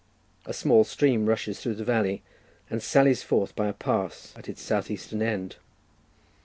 A small stream rushes through the valley, and sallies forth by a pass at its south eastern end.